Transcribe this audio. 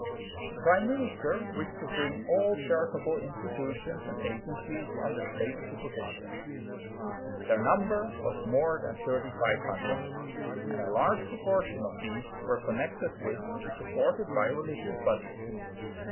The prime minister wished to bring all charitable institutions and agencies under State supervision. Their number was more than 3500; and a large proportion of these were connected with and supported by religious bodies.